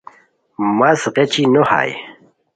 مس غیچی نو ہائے